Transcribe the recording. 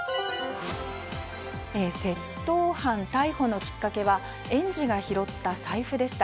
窃盗犯逮捕のきっかけは園児が拾った財布でした。